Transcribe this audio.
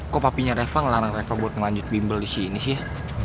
kok papinya reva ngelarang reva buat lanjut bimbel disini sih ya